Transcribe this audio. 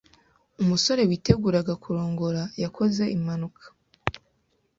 Umusore witeguraga kurongora yakoze impanuka